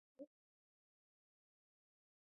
ایا ستاسو جهیلونه به ډک وي؟